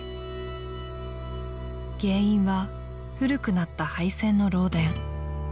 ［原因は古くなった配線の漏電］